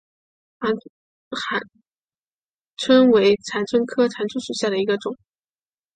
蜍蝽为蜍蝽科蜍蝽属下的一个种。